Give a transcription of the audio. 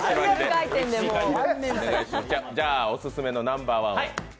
じゃあ、オススメのナンバーワンを。